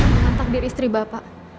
dengan takdir istri bapak